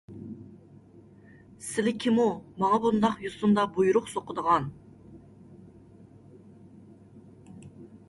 سىلى كىمۇ، ماڭا بۇنداق يوسۇندا بۇيرۇق سوقىدىغان؟